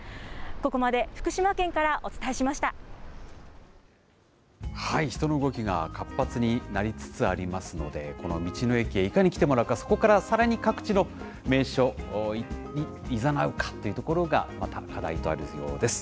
ここまで福島県からお伝えしまし人の動きが活発になりつつありますので、この道の駅へいかに来てもらうか、そこからさらに各地の名所にいざなうかというところが、また課題となるようです。